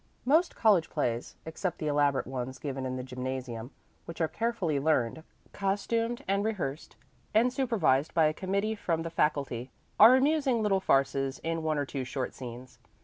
Most college plays, except the elaborate ones given in the gymnasium, which are carefully learned, costumed and rehearsed, and supervised by a committee from the faculty are amusing little farces in one or two short scenes.